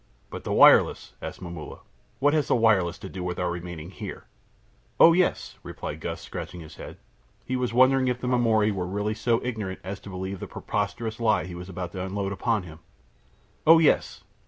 "But the wireless," asked Momulla. "What has the wireless to do with our remaining here?" "Oh yes," replied Gust, scratching his head. He was wondering if the Maori were really so ignorant as to believe the preposterous lie he was about to unload upon him. "Oh yes!